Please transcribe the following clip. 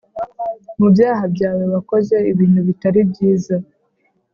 Mu byaha byawe wakoze ibintu bitari byiza